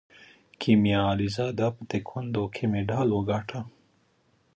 کیمیا علیزاده په تکواندو کې مډال وګاټه.